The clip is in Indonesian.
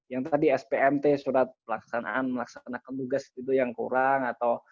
yang tadi spmt surat pelaksanaan melaksanakan tugas itu yang kurang atau